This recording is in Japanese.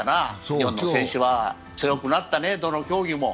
日本の選手は強くなったね、どの競技も。